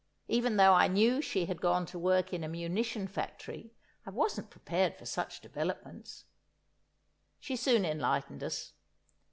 Even though I knew she had gone to work in a munition factory, I wasn't prepared for such developments. She soon enlightened us.